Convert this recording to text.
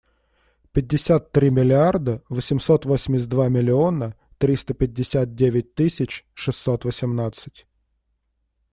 Пятьдесят три миллиарда восемьсот восемьдесят два миллиона триста пятьдесят девять тысяч шестьсот восемнадцать.